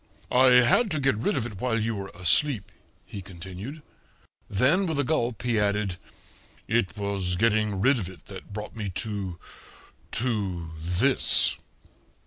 "I had to get rid of it while you were asleep," he continued. Then, with a gulp, he added, "It was getting rid of it that brought me to to this."